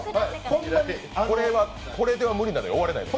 これでは無理なのよ、終われないのよ。